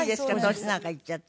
年なんか言っちゃって。